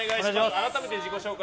改めて自己紹介